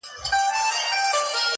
خو كله ، كله مي بيا.